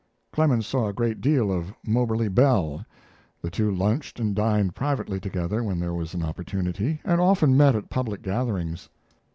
Clemens saw a great deal of Moberly Bell. The two lunched and dined privately together when there was opportunity, and often met at the public gatherings.